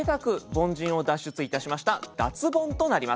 凡人を脱出いたしました脱ボンとなります。